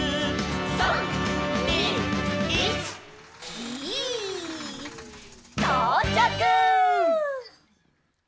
「３・２・１ギィ」「とうちゃく！」